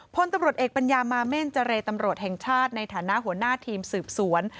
พลตำรวจเอกปัญญามาเม่นจระลค์ในฐานะหัวหน้าทีมสืบสวน